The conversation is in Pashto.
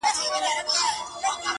اوسېدله دوه ماران يوه ځنگله كي-